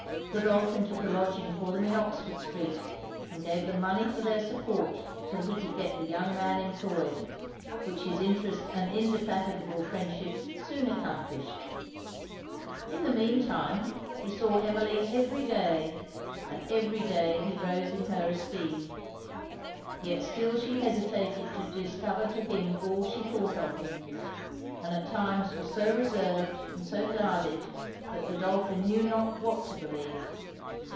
Godolphin took a lodging for them in Oxford street; and gave them money for their support till he could get the young man employed, which his interest and indefatigable friendship soon accomplished. In the mean time he saw Emmeline every day, and every day he rose in her esteem. Yet still she hesitated to discover to him all she thought of him; and at times was so reserved and so guarded, that Godolphin knew not what to believe.